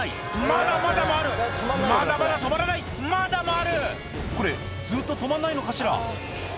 まだまだ回るまだまだ止まらないまだ回るこれずっと止まんないのかしら？